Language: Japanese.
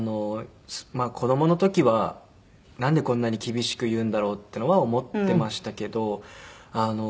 子供の時はなんでこんなに厳しく言うんだろうっていうのは思ってましたけど。